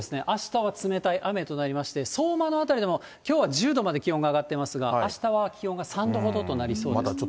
あしたは冷たい雨となりまして、相馬の辺りでもきょうは１０度まで気温が上がってますが、あしたは気温が３度ほどとなりそうです。